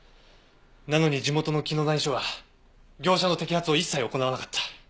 なのに地元の紀野谷署は業者の摘発を一切行わなかった。